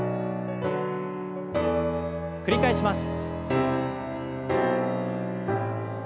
繰り返します。